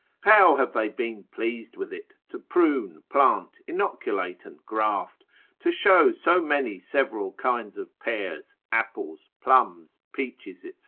how they have been pleased with it, to prune, plant, inoculate and graft, to show so many several kinds of pears, apples, plums, peaches, &c.